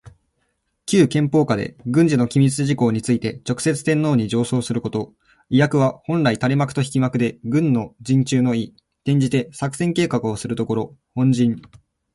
旧憲法下で、軍事の機密事項について直接天皇に上奏すること。「帷幄」は本来たれ幕と引き幕で、軍の陣中の意、転じて作戦計画をするところ。本陣。